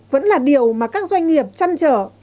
vẫn là điều mà các doanh nghiệp chăn trở